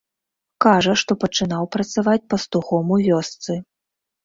Кажа, што пачынаў працаваць пастухом у вёсцы.